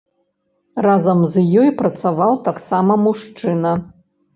Разам з ёй працаваў таксама мужчына.